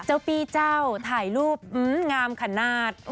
เจ้าปีเจ้าถ่ายรูปงามขนาด